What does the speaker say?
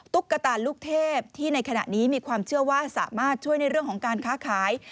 กระตาลูกเทพที่ในขณะนี้มีความเชื่อว่าสามารถช่วยในเรื่องของการค้าขาย